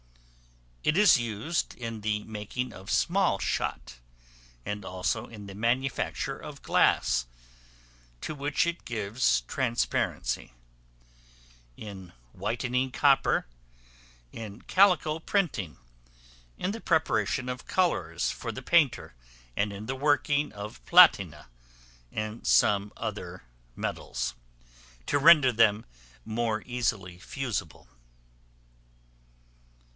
It is used in the making of small shot, and also in the manufacture of glass, to which it gives transparency; in whitening copper; in calico printing; in the preparation of colors for the painter; and in the working of platina, and some other metals, to render them more easily fusible.